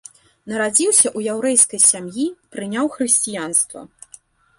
Нарадзіўся ў яўрэйскай сям'і, прыняў хрысціянства.